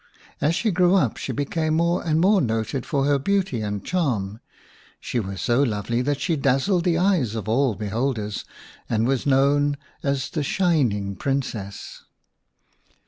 /As she grew up she became more and more noted for her beauty and charm ; she was so lovely that she dazzled the eyes of all be holders, and was known as the Shining Princess.